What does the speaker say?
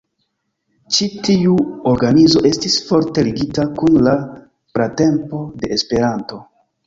Ĉi tiu organizo estis forte ligita kun la pratempo de Esperanto.